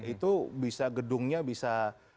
itu bisa gedungnya bisa